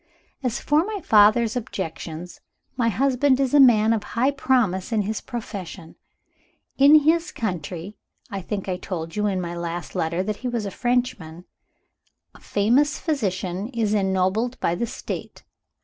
As for my father's objections, my husband is a man of high promise in his profession. In his country I think I told you in my last letter that he was a Frenchman a famous physician is ennobled by the State.